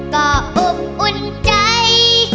ก็อบอุ่นใจ